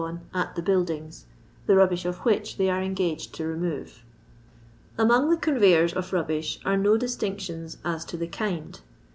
at the buildings, the rubbish of which they are engaged to remove. Among the conveyors of rubbish are no dis tinctions as to the kind.